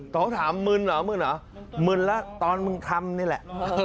ถามมึนเหรอมึนเหรอมึนแล้วตอนมึงทำนี่แหละ